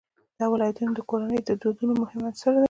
دا ولایتونه د کورنیو د دودونو مهم عنصر دی.